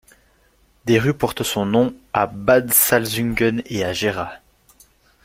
Des rues portent son nom à Bad Salzungen et à Gera.